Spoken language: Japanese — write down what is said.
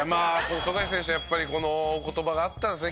富樫選手のやっぱりこの言葉があったんですね